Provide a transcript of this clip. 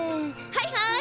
はいはい！